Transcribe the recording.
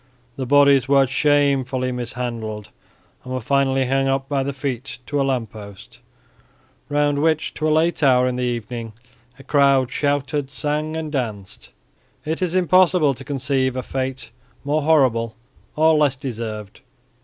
The bodies were shamefully mis handled and were finally hung up by the feet to a lamppost, round which to a late hour in the evening a crowd shouted, sang and danced. It is impossible to conceive a fate more horrible or less deserved.